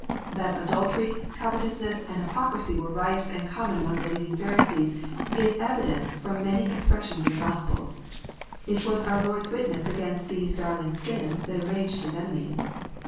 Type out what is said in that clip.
That adultery, covetonsness, and hypocrisy were rife and common among the leading Pharisees, is evident fkrom many expressions in the Gospels. It was onr Lord*s witness against these darling sins that enraged His enemies.